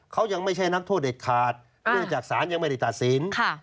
เขายังไม่ใช่นักโทษเด็ดขาดเนื่องจากสารยังไม่ได้ตัดสิน